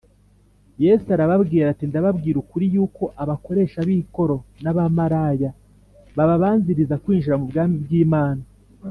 Yesu arababwira ati “Ndababwira ukuri yuko abakoresha b’ikoro n’abamaraya bababanziriza kwinjira mu bwami bw’Imana